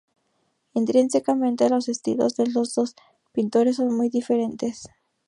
Intrínsecamente los estilos de los dos pintores son muy diferentes.